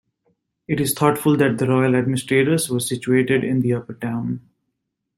It is thought that the royal administrators were situated in the Upper Town.